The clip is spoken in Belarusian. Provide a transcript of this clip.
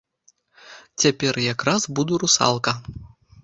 Цяпер якраз буду русалка.